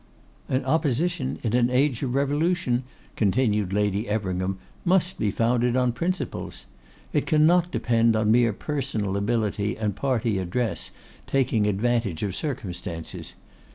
'An Opposition in an age of revolution,' continued Lady Everingham, 'must be founded on principles. It cannot depend on mere personal ability and party address taking advantage of circumstances.